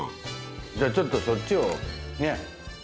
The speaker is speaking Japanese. じゃちょっとそっちをねっ。